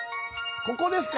ここですか？